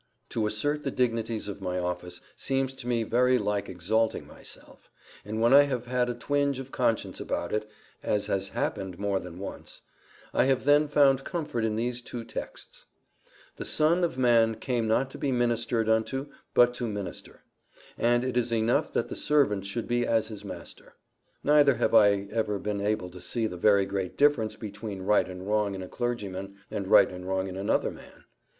To assert the dignities of my office seems to me very like exalting myself; and when I have had a twinge of conscience about it, as has happened more than once, I have then found comfort in these two texts: "The Son of man came not to be ministered unto but to minister;" and "It is enough that the servant should be as his master." Neither have I ever been able to see the very great difference between right and wrong in a clergyman, and right and wrong in another man.